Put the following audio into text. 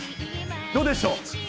どうでしょう？